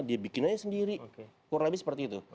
dia bikin aja sendiri kurang lebih seperti itu